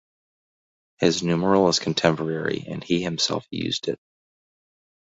His numeral is contemporary and he himself used it.